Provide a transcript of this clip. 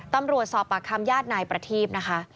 ตำรวจสอบปากคำญาตินายประทีพนะคะ